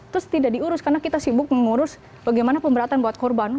terus tidak diurus karena kita sibuk mengurus bagaimana pemberatan buat korban